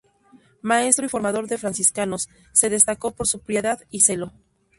Maestro y formador de franciscanos, se destacó por su piedad y celo.